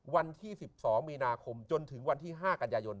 วันที่๑๒มีนาคมจนถึงวันที่๕กันยายน